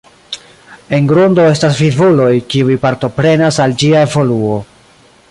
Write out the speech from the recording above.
En grundo estas vivuloj, kiuj partoprenas al ĝia evoluo.